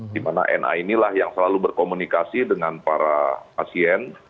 di mana na inilah yang selalu berkomunikasi dengan para pasien